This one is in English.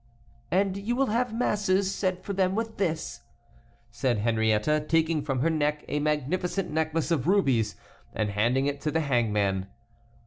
"And you will have masses said for them with this," said Henriette, taking from her neck a magnificent necklace of rubies, and handing it to the hangman.